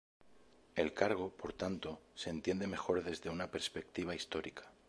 El cargo, por tanto, se entiende mejor desde una perspectiva histórica.